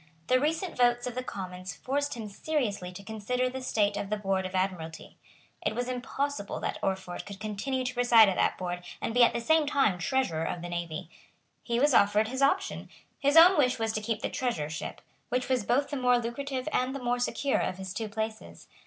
The recent votes of the Commons forced him seriously to consider the state of the Board of Admiralty. It was impossible that Orford could continue to preside at that Board and be at the same time Treasurer of the Navy. He was offered his option. His own wish was to keep the Treasurership, which was both the more lucrative and the more secure of his two places.